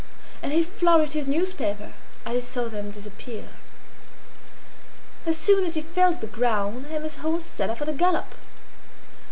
And he flourished his newspaper as he saw them disappear. As soon as he felt the ground, Emma's horse set off at a gallop.